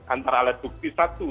antara alat bukti satu